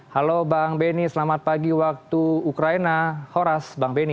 halo bang benny selamat pagi waktu ukraina horas bang benny